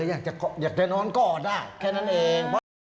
อยากจะนอนกอดอ่ะแค่นั้นเอง